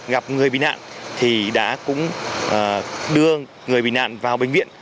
gặp người bị nạn thì đã cũng đưa người bị nạn vào bệnh viện